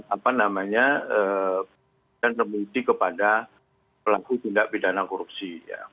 apa namanya dan remisi kepada pelaku tindak pidana korupsi